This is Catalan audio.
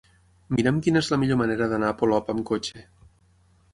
Mira'm quina és la millor manera d'anar a Polop amb cotxe.